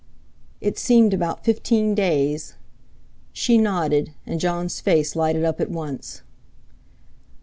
"It's seemed about fifteen days." She nodded, and Jon's face lighted up at once.